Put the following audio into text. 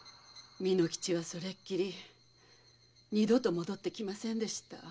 巳之吉はそれっきり二度と戻ってきませんでした。